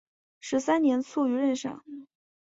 十三年卒于任上。